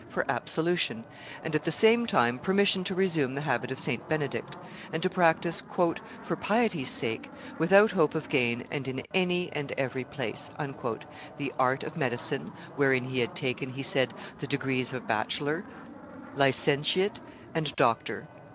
for absolution, and at the same time permission to resume the habit of St. Benedict, and to practise "for piety's sake, without hope of gain and in any and every place," the art of medicine, wherein he had taken, he said, the degrees of bachelor, licentiate, and doctor.